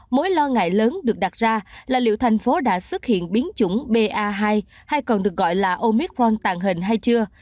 mối lo ngại lớn được đặt ra là liệu thành phố đã xuất hiện biến chủng ba hay còn được gọi là omicron tàn hình hay chưa